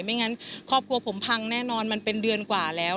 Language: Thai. ไม่งั้นครอบครัวผมพังแน่นอนมันเป็นเดือนกว่าแล้ว